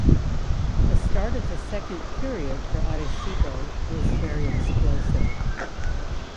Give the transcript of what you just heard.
The start of the second period for Arecibo was very explosive.